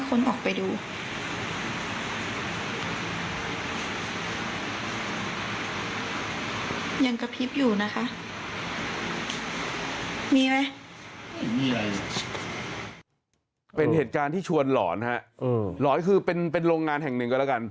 ยังกระพริบอยู่นะคะมีไหมเป็นเหตุการณ์ที่ชวนหลอนครับหลอนคือเป็นโรงงานแห่งหนึ่งก็แล้วกัน